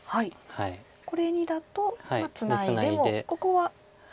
これにだとツナいでもここは。